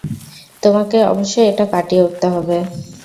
তোমাকে অবশ্যই এটা কাটিয়ে উঠতে হবে।